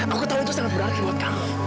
aku tahu itu sangat berarti buat kamu